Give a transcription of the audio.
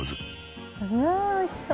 うわ美味しそう。